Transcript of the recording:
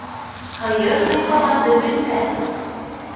Һыйыр һыйпағанды белмәҫ